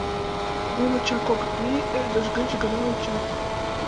Нуно чак огыт мий, ӧрдыж гыч гына ончат.